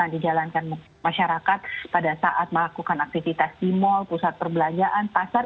dijalankan masyarakat pada saat melakukan aktivitas di mal pusat perbelanjaan pasar